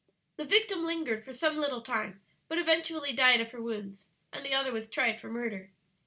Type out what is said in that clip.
"The victim lingered for some little time, but eventually died of her wounds, and the other was tried for murder.